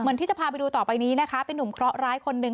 ที่จะพาไปดูต่อไปนี้นะคะเป็นนุ่มเคราะหร้ายคนหนึ่ง